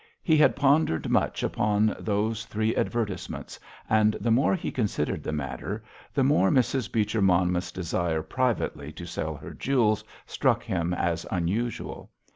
He had pondered much upon those three advertisements, and the more he considered the matter, the more Mrs. Beecher Monmouth's desire privately to sell her jewels struck him as unusual.